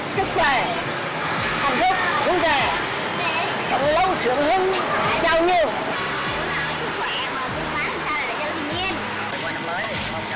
chúc mừng năm mới